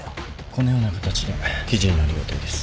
このような形で記事になる予定です。